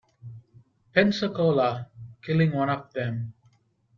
"Pensacola", killing one of them.